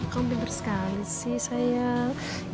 kamu pinter sekali sih sayang